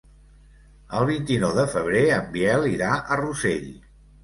El vint-i-nou de febrer en Biel irà a Rossell.